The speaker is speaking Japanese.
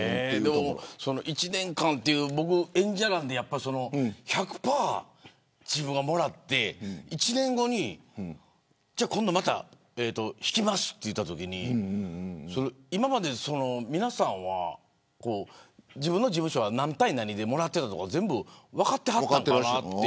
１年間という、僕は演者なので１００％自分がもらって１年後にまた引きますと言われたとき今まで皆さんは自分の事務所が何対何でもらってたとか分かってはるのかなと。